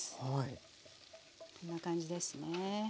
こんな感じですね。